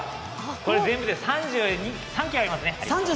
これ、全部で３３ｋｇあります。